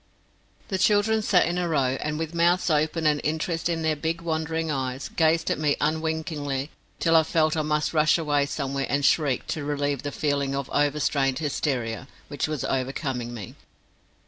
The children sat in a row and, with mouths open and interest in their big wondering eyes, gazed at me unwinkingly till I felt I must rush away somewhere and shriek to relieve the feeling of overstrained hysteria which was overcoming me.